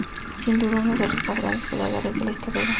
Sin duda, uno de los más grandes goleadores de la historia del fútbol.